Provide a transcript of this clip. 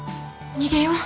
逃げよう。